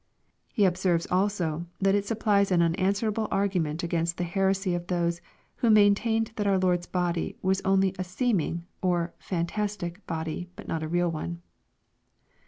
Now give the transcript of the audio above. He observes also, that it supplies an unanswerable argument against the heresy of those who maintained that our Lord's body was only a seeming, or " phantastic" body, but not a real one.